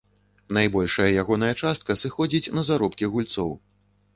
Найбольшая ягоная частка сыходзіць на заробкі гульцоў.